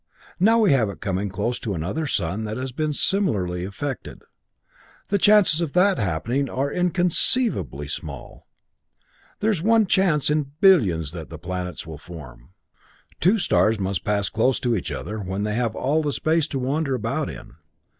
Now we have it coming close to another sun that has been similarly afflicted. The chances of that happening are inconceivably small. It is one chance in billions that the planets will form. Two stars must pass close to each other, when they have all space to wander about in.